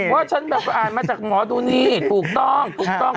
ว่าฉันแบบอ่านมาจากหมอดูนี่ถูกต้องถูกต้อง